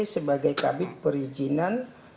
sebagai kabit perizinan